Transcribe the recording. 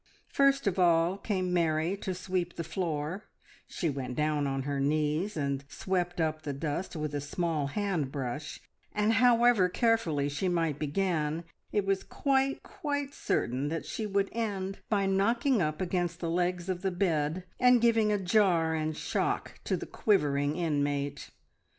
First of all came Mary to sweep the floor she went down on her knees, and swept up the dust with a small hand brush, and however carefully she might begin, it was quite, quite certain that she would end by knocking up against the legs of the bed, and giving a jar and shock to the quivering inmate.